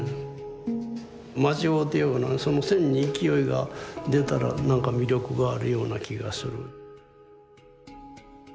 間違うてようがその線に勢いが出たらなんか魅力があるような気がする。